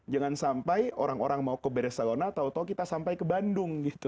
jangan sampai orang orang mau ke barcelona tahu tahu kita sampai ke bandung